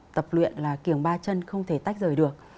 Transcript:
tập luyện là kiềng ba chân không thể tách rời được